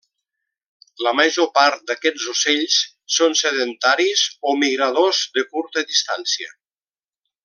La major part d'aquests ocells són sedentaris o migradors de curta distància.